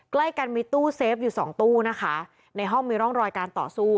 ใกล้กันมีตู้เซฟอยู่สองตู้นะคะในห้องมีร่องรอยการต่อสู้